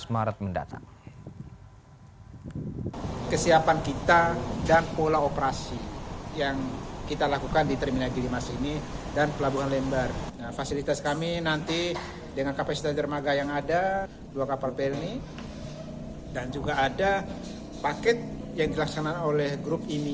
enam belas maret mendatang